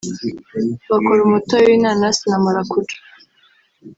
Bakora umutobe w’inanasi na marakuja